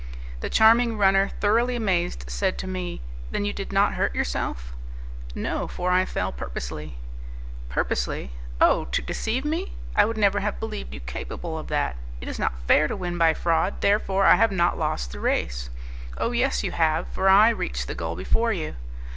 The charming runner, thoroughly amazed, said to me, "Then you did not hurt yourself?" "No, for I fell purposely." "Purposely? Oh, to deceive me! I would never have believed you capable of that. It is not fair to win by fraud; therefore I have not lost the race." "Oh! yes, you have, for I reached the goal before you."